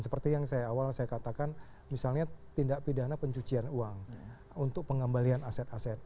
seperti yang saya awal saya katakan misalnya tindak pidana pencucian uang untuk pengembalian aset aset